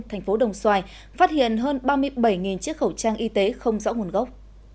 thành phố đồng xoài phát hiện hơn ba mươi bảy chiếc khẩu trang y tế không rõ nguồn gốc